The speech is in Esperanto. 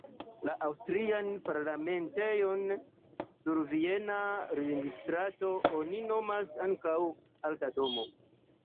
La aŭstrian parlamentejon sur Viena Ringstrato oni nomas ankaŭ Alta Domo.